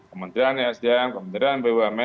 kementerian sdm kementerian bwp